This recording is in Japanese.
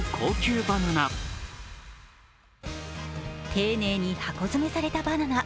丁寧に箱詰めされたバナナ。